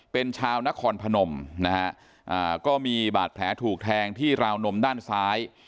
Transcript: เป็นชาวนครพนมนะฮะก็มีบาดแผลถูกแทงที่ราวนมด้านซ้าย